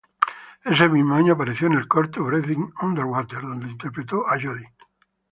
Ese mismo año apareció en el corto "Breathing Underwater" donde interpretó a Jodie.